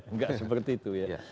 enggak seperti itu ya